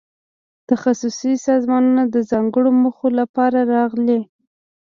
تخصصي سازمانونه د ځانګړو موخو لپاره راغلي.